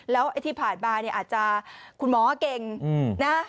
แล้วที่ผ่านมาอาจจะคุณหมอเก่งนะ